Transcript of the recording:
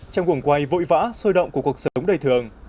trong cuồng quay vội vã sôi động của cuộc sống đầy thường